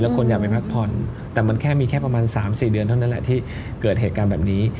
คนอยากไปพักผ่อนแต่มันแค่มีแค่ประมาณ๓๔เดือนเท่านั้นแหละที่เกิดเหตุการณ์แบบนี้